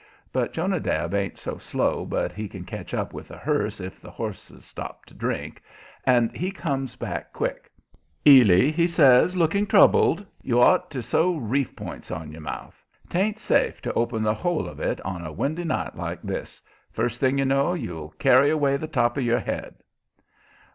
But Jonadab ain't so slow but he can catch up with a hearse if the horses stop to drink, and he comes back quick. "Ily," he says, looking troubled, "you ought to sew reef points on your mouth. 'Tain't safe to open the whole of it on a windy night like this. First thing you know you'll carry away the top of your head."